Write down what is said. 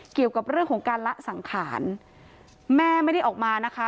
เกี่ยวกับเรื่องของการละสังขารแม่ไม่ได้ออกมานะคะ